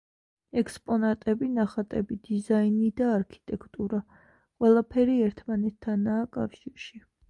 ექსპონატები, ნახატები, დიზაინი და არქიტექტურა ყველაფერი ერთმანეთთანაა კავშირში.